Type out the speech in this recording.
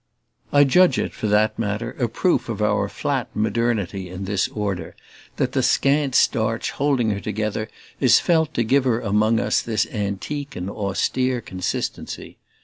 I judge it, for that matter, a proof of our flat "modernity" in this order that the scant starch holding her together is felt to give her among us this antique and austere consistency.